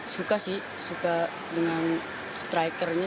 suka sih suka dengan strikernya